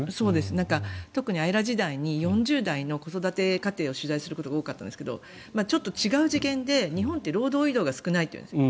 特に「ＡＥＲＡ」時代に４０代の子育て家庭を取材することが多かったんですがちょっと違う次元で日本って労働移動が少ないんです。